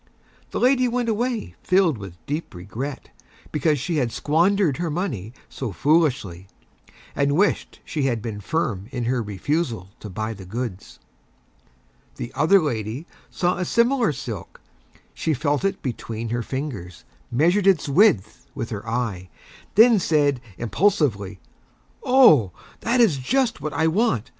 The Lady went away filled with Deep Regret because she had squandered her Money so Foolishly, and wished she had been Firm in her Refusal to buy the Goods. The Other Lady saw a similar Silk. She felt it Between her Fingers, Measured its Width with her Eye, and then said Impulsively, "Oh, That is just What I Want.